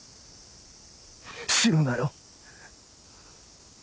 死ぬなよ。